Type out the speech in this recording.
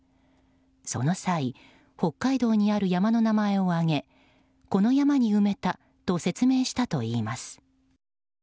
その際、北海道にある山の名前を挙げこの山に埋めたと説明したといいます。